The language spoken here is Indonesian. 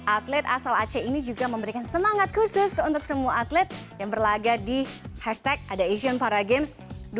atlet asal aceh ini juga memberikan semangat khusus untuk semua atlet yang berlaga di hashtag ada asian para games dua ribu delapan belas